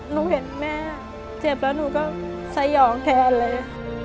หนูเห็นแม่เจ็บแล้วหนูก็สยองแทนเลย